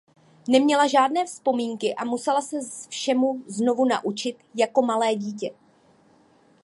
Neměla žádné vzpomínky a musela se všemu znovu naučit jako malé dítě.